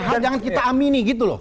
hal jangan kita amini gitu loh